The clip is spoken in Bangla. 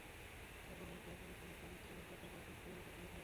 এরপর মঞ্চে আসেন অনুষ্ঠানের গ্র্যান্ড স্পনসর ডাটা গ্রুপের সিইও জাকির হোসেইন।